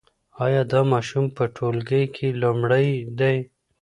ایا دا ماشوم په ټولګي کې لومړی دی؟